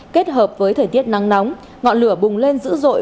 kết hợp với thời tiết nắng nóng ngọn lửa bùng lên dữ dội